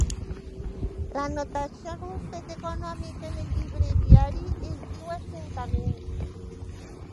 L'anotació d'un fet econòmic en el llibre Diari es diu assentament.